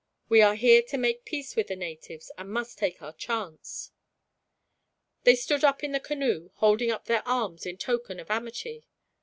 We are here to make peace with the natives, and must take our chance." They stood up in the canoe, holding up their arms in token of amity.